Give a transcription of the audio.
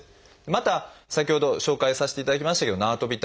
また先ほど紹介させていただきましたけどなわとび